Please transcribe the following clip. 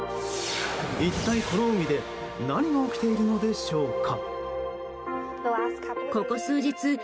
一体、この海で何が起きているのでしょうか。